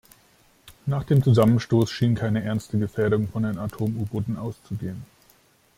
Nach dem Zusammenstoß schien keine ernste Gefährdung von den Atom-U-Booten auszugehen.